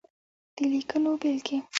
د ليکنو بېلګې :